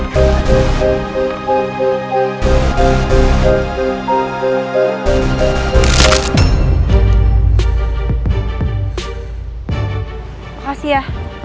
terima kasih ya